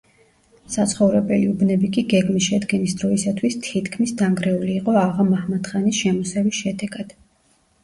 საცხოვრებელი უბნები კი გეგმის შედგენის დროისათვის თითქმის დანგრეული იყო აღა-მაჰმად-ხანის შემოსევის შედეგად.